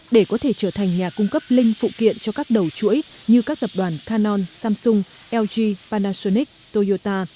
để có thể trở thành nhà cung cấp linh phụ kiện cho các đầu chuỗi như các tập đoàn canon samsung lg panasonic toyota